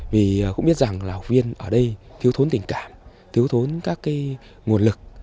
vì cũng biết rằng là học viên ở đây thiếu thốn tình cảm thiếu thốn các nguồn lực